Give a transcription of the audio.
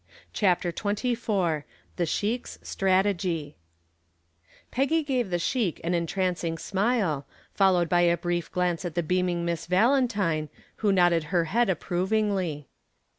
CHAPTER XXIV THE SHEIK'S STRATEGY Peggy gave the sheik an entrancing smile, followed by a brief glance at the beaming Miss Valentine, who nodded her head approvingly.